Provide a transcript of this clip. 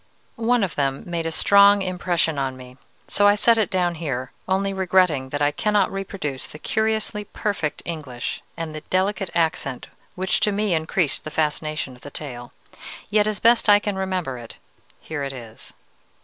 One of them made a strong impression on me, so I set it down here, only regretting that I cannot reproduce the curiously perfect English and the delicate accent which to me increased the fascination of the tale. Yet, as best I can remember it, here it is.